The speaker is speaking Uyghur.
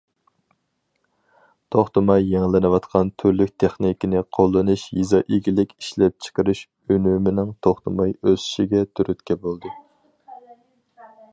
توختىماي يېڭىلىنىۋاتقان تۈرلۈك تېخنىكىنى قوللىنىش يېزا ئىگىلىك ئىشلەپچىقىرىش ئۈنۈمىنىڭ توختىماي ئۆسۈشىگە تۈرتكە بولدى.